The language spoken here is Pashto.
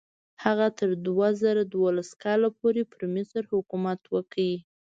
هغه تر دوه زره دولس کال پورې پر مصر حکومت وکړ.